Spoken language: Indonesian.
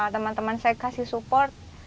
teman teman saya kasih support